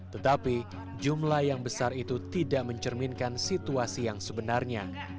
tetapi jumlah yang besar itu tidak mencerminkan situasi yang sebenarnya